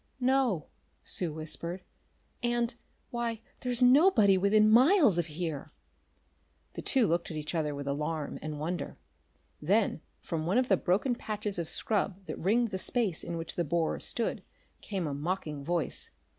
"No," Sue whispered. "And why, there's nobody within miles of here!" The two looked at each other with alarm and wonder. Then, from one of the broken patches of scrub that ringed the space in which the borer stood, came a mocking voice.